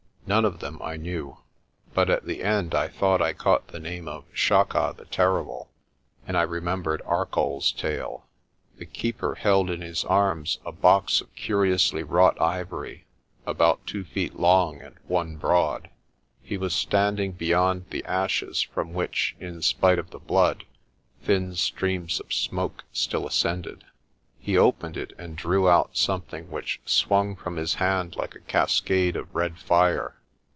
None of them I knew, but at the end I thought I caught the name of Chaka the Terrible, and I remembered ArcolPs tale. The Keeper held in his arms a box of curiously wrought ivory, about two feet long and one broad. He was standing beyond the ashes from which, in spite of the blood, thin streams of smoke still ascended. He opened it and drew out something which swung from his hand like a cascade of red fire.